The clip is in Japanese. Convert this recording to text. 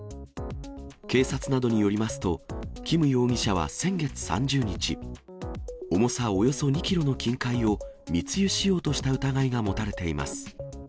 警察などによりますと、キム容疑者は先月３０日、重さおよそ２キロの金塊を密輸しようとした疑いが持たれています。